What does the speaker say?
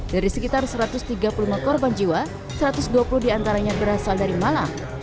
dari sekitar satu ratus tiga puluh lima korban jiwa satu ratus dua puluh diantaranya berasal dari malang